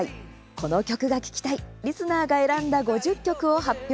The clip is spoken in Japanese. この曲が聴きたいリスナーが選んだ５０曲を発表。